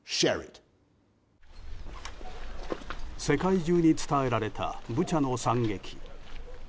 世界中に伝えられたブチャの惨劇。